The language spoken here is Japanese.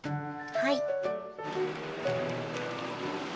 はい。